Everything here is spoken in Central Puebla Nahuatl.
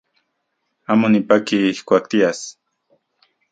Amo nipaki ijkuak tias.